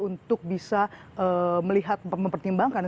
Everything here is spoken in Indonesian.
untuk bisa melihat mempertimbangkan